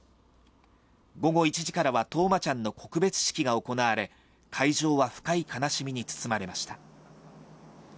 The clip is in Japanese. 午後１時からは冬生ちゃんの告別式が行われ、会場は深い悲しみに包まれました。